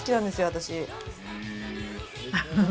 私。